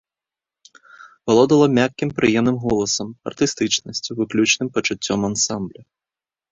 Валодала мяккім прыемным голасам, артыстычнасцю, выключным пачуццём ансамбля.